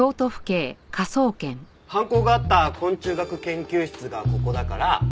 犯行があった昆虫学研究室がここだから。